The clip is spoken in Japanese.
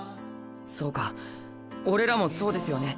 そうか俺らもそうですよね。